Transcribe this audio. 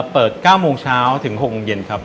๙โมงเช้าถึง๖โมงเย็นครับ